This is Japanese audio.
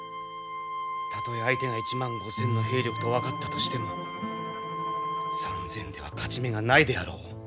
たとえ相手が１万５，０００の兵力と分かったとしても３，０００では勝ち目がないであろう。